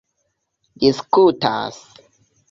diskutas